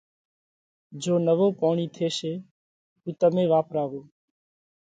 جيو نوو پوڻِي ٿيشي اُو تمي واپراوو۔